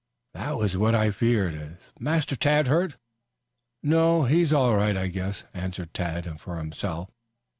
"That was what I feared. Is Master Tad hurt?" "No, he's all right, I guess," answered Tad for himself.